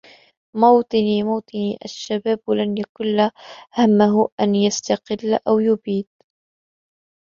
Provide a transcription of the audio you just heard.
مَــوطِــنِــي مَــوطِــنِــي الشبابُ لنْ يكِلَّ هَمُّهُ أنْ تستَقِـلَّ أو يَبيدْ